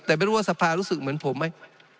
แต่ไม่รู้ว่าสภารู้สึกเหมือนผมไหม